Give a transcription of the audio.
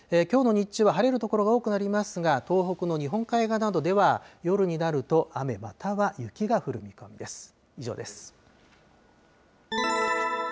きょうの日中は晴れる所が多くなりますが、東北の日本海側などでは、夜になると雨または雪が降る見込みです。